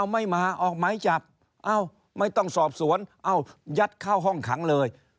ไม่มาออกไม้จับไม่ต้องสอบสวนยัดเข้าห้องขังเลย